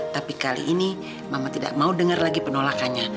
tapi kali ini mama tidak mau dengar lagi penolakannya